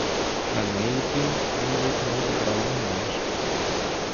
На неї ти, молодий князю, права не маєш.